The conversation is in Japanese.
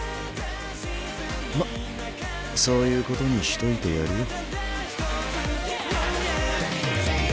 まっそういうことにしといてやるよ。